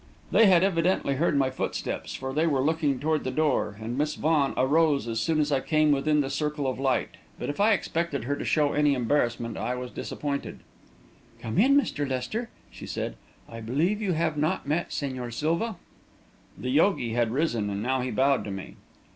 They had evidently heard my footsteps, for they were looking toward the door, and Miss Vaughan arose as soon as I came within the circle of light. But if I expected her to show any embarrassment, I was disappointed. "Come in, Mr. Lester," she said. "I believe you have not met Señor Silva." The yogi had risen, and now he bowed to me.